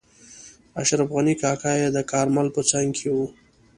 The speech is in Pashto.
اشرف غني کاکا یې د کارمل په څنګ کې وو.